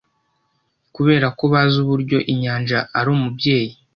kuberako bazi uburyo inyanja ari umubyeyi